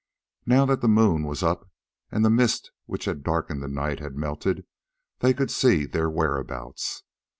Now that the moon was up, and the mist which had darkened the night had melted, they could see their whereabouts.